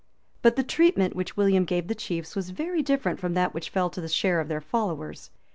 But the treatment which William gave the chiefs was very different from that which fell to the share of their followers.